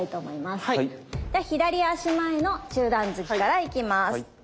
では左足前の中段突きからいきます。